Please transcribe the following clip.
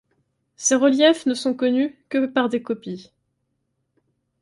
Ces reliefs ne sont connus que par des copies.